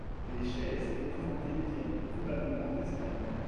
Les chaises représentées viennent probablement d'Espagne.